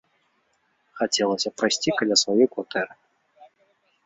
Хацелася прайсці каля сваёй кватэры.